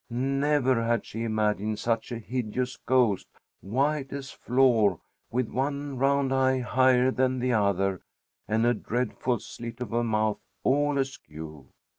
Never had she imagined such a hideous ghost, white as flour, with one round eye higher than the other, and a dreadful slit of a mouth, all askew.